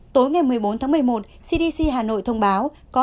tối ngày một mươi bốn tháng một mươi một cdc hà nội thông báo